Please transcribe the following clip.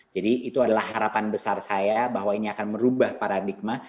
jadi itu adalah harapan besar saya bahwa ini akan merubah paradigma